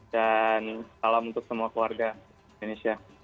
dan salam untuk semua keluarga di indonesia